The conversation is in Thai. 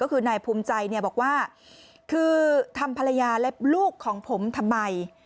ก็คือนายภูมิใจเนี่ยบอกว่าคือทำภรรยาและลูกของผมทำไม